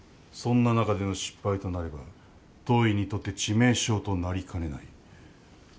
そんな中での失敗となれば当院にとって致命傷となりかねない。